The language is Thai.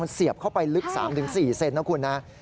มันเสียบเข้าไปลึก๓๔เซนติเซนต์นะคุณนะ